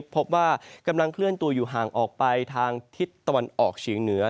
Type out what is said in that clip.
พบว่ากำลังเคลื่อนตัวอยู่ห่างออกไปทางทิศตะวันออกเฉียงเหนือ